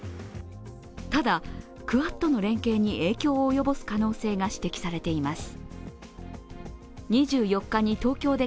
ただ、クアッドの連携に影響を及ぼす可能性が指摘されています。